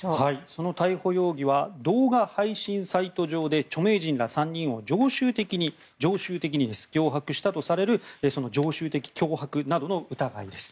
その逮捕容疑は動画配信サイト上で著名人ら３人を常習的に脅迫したとされる常習的脅迫などの疑いです。